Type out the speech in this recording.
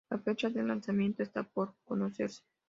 La fecha de lanzamiento esta por conocerse.